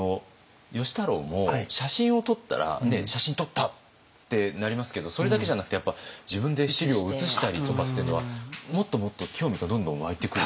芳太郎も写真を撮ったら写真撮ったってなりますけどそれだけじゃなくて自分で資料を写したりとかっていうのはもっともっと興味がどんどん湧いてくる。